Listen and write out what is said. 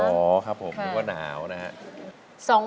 อ๋อครับผมนึกว่าหนาวนะครับ